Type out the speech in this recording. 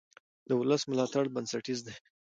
د ولس ملاتړ بنسټیز دی